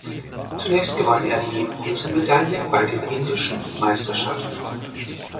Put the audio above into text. Zunächst gewann er die Bronzemedaille bei den Indischen Meisterschaften.